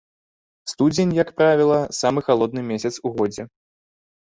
Студзень, як правіла, самы халодны месяц у годзе.